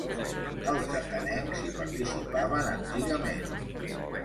Els atenencs hi participaven antigament.